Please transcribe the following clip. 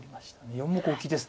４目大きいです。